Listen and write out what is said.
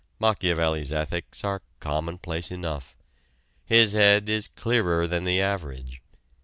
Machiavelli's ethics are commonplace enough. His head is clearer than the average.